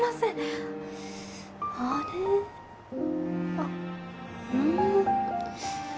あっうん。